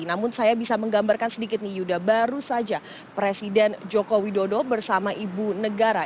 namun saya bisa menggambarkan sedikit nih yuda baru saja presiden joko widodo bersama ibu negara